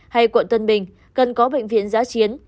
hay quận tân bình cần có bệnh viện giá chiến